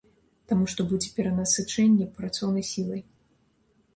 Таму што будзе перанасычэнне працоўнай сілай.